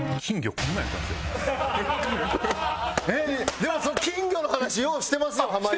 でもその金魚の話ようしてますよ濱家。